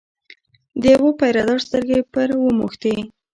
د یوه پیره دار سترګې پر وموښتې.